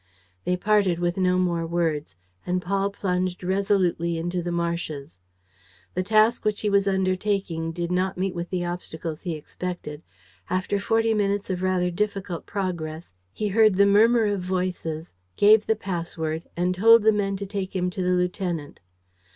They parted with no more words and Paul plunged resolutely into the marshes. The task which he was undertaking did not meet with the obstacles he expected. After forty minutes of rather difficult progress, he heard the murmur of voices, gave the password and told the men to take him to the lieutenant.